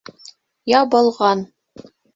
Ябылған!